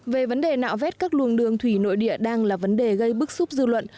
về vấn đề nạo vét các luồng đường thủy nội địa đang là vấn đề gây bức xúc dư luận